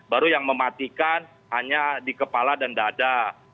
baru yang mematikan hanya di kepala dan dada